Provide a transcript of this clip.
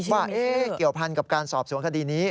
ว่าเกี่ยวพันกับการสอบสวนคดีนี้